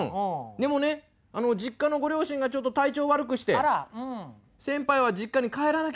でもね実家のご両親がちょっと体調を悪くして先輩は実家に帰らなければいけない。